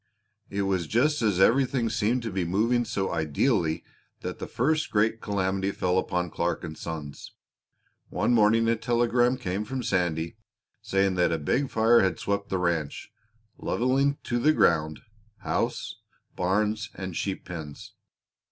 It was just as everything seemed to be moving so ideally that the first great calamity fell upon Clark & Sons. One morning a telegram came from Sandy saying that a big fire had swept the ranch, leveling to the ground house, barns, and sheep pens.